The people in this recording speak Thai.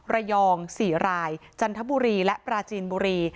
ระยอง๔รายจันทบุรีและปราจีนบุรี